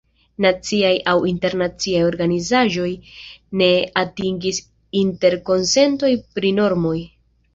Naciaj aŭ internaciaj organizaĵoj ne atingis interkonsenton pri normoj.